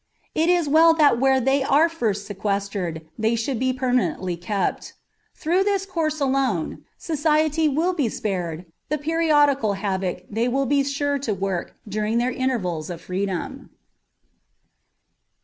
It is well that where they are first sequestrated there they should be permanently kept. Through this course alone society will be spared the periodical havoc they will be sure to work during their intervals of freedom.